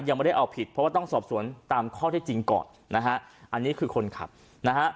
ยังไม่ได้เอาผิดเพราะว่าต้องสอบสวนตามข้อที่จริงก่อนนะฮะอันนี้คือคนขับนะฮะ